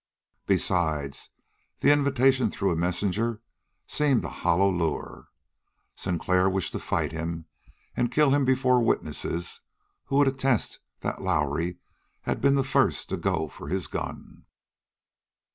Besides, the invitation through a messenger seemed a hollow lure. Sinclair wished to fight him and kill him before witnesses who would attest that Lowrie had been the first to go for his gun.